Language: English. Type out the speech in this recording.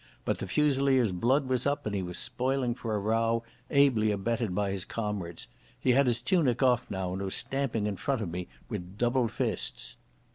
But the Fusilier's blood was up and he was spoiling for a row, ably abetted by his comrades. He had his tunic off now and was stamping in front of me with doubled fists.